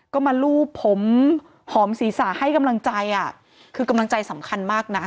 ก็มาลูบผมหอมศีรษะให้กำลังใจอ่ะคือกำลังใจสำคัญมากนะ